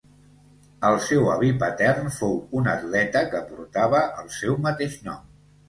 El seu avi patern fou un atleta que portava el seu mateix nom.